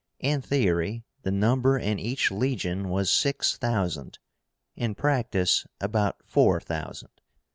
In theory the number in each legion was six thousand, in practice about four thousand.